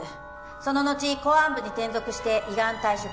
そののち公安部に転属して依願退職。